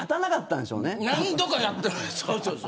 何度かやってる。